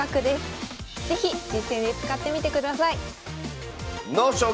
是非実戦で使ってみてください